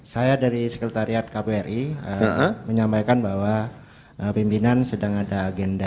saya dari sekretariat kbri menyampaikan bahwa pimpinan sedang ada agenda